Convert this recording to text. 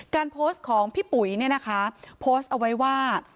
การโพสต์ของพี่ปุ๋ยโพสต์เอาไว้ว่า